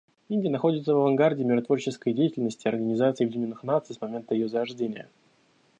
Индия находится в авангарде миротворческой деятельности Организации Объединенных Наций с момента ее зарождения.